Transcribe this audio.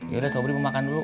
yaudah sobri mau makan dulu